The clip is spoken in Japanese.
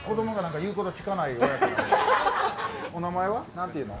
何ていうの？